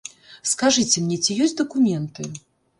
Скажыце мне, ці ёсць дакументы?